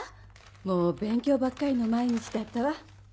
もう勉強ばっかりの毎日だったわ。